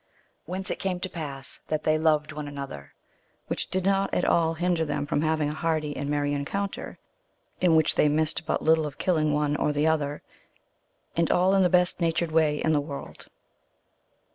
Whence it came to pass that they loved one another, which did not at all hinder them from having a hearty and merry encounter, in which they missed but little of killing one or the other, and all in the best natured way in the world.